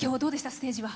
ステージは。